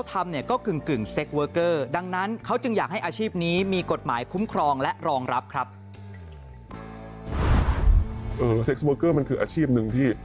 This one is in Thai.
เซ็กซ์เวิร์เกอร์มันคืออาชีพนึงพี่